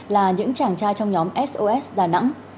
là những chàng trai trong nhóm sos đà nẵng